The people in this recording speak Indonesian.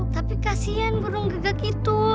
tapi kasihan burung gagak itu